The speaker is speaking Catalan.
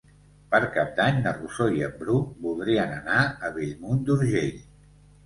Per Cap d'Any na Rosó i en Bru voldrien anar a Bellmunt d'Urgell.